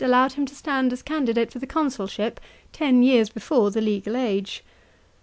49 allowed him to stand as candidate for the consulship ten years before the legal age.